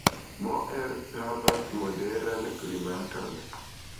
Moers havas moderan klimaton.